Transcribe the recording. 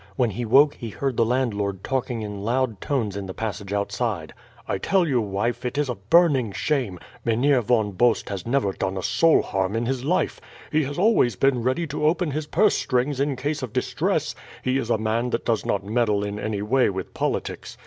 When he woke he heard the landlord talking in loud tones in the passage outside. "I tell you, wife it is a burning shame. Mynheer Von Bost has never done a soul harm in his life. He has always been ready to open his purse strings in case of distress; he is a man that does not meddle in any way with politics.